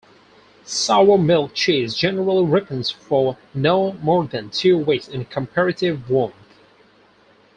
Sour milk cheese generally ripens for no more than two weeks in comparative warmth.